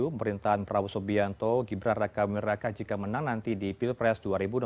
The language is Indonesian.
pemerintahan prabowo sobyanto gibraraka miraka jika menang nanti di pilpres dua ribu empat